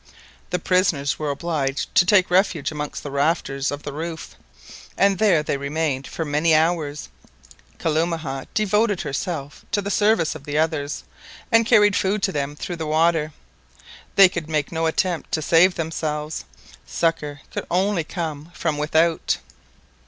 The prisoners were obliged to take refuge amongst the rafters of the roof, and there they remained for many hours. Kalumah devoted herself to the service of the others, and carried food to them through the water. They could make no attempt to save themselves, succour could only come from without.